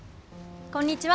こんにちは